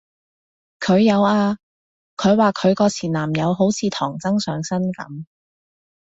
佢有啊，佢話佢個前男友好似唐僧上身噉